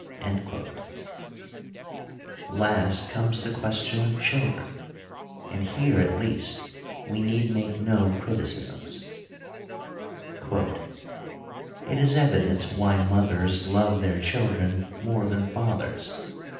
f Last comes the question of children ; and here, at least, we need make no criticisms : It is evident why mothers love their children more than fathers.